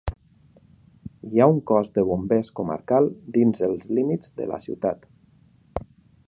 Hi ha un cos de bombers comarcal dins els límits de la ciutat.